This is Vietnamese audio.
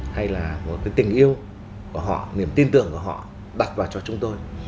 hay là một cái tình yêu của họ niềm tin tưởng của họ đặt vào cho chúng tôi